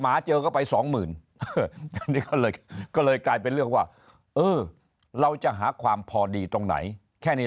หมาเจอก็ไป๒๐๐๐๐ก็เลยกลายเป็นเรื่องว่าเราจะหาความพอดีตรงไหนแค่นี้